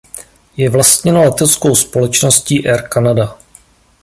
Je vlastněna leteckou společností Air Canada.